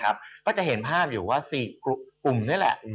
ก็จะเห็นภาพอยู่ว่า๔กลุ่มนี่แหละ